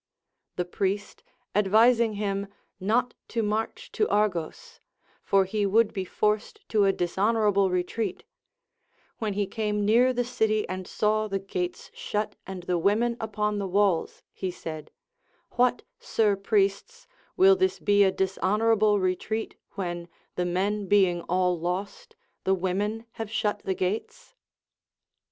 The priest advising him not to march to Argos, — for he would be forced to a dishon orable retreat, — when he came near the city and saw the gates shut and the women upon the walls, he said : AVhat, sir priests, will this be a dishonorable retreat, when, the men being all lost, the women have shut the gates